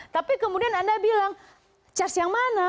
tapi kemudian anda bilang charge yang mana